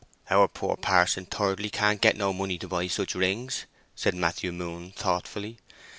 "Our poor Parson Thirdly can't get no money to buy such rings," said Matthew Moon, thoughtfully.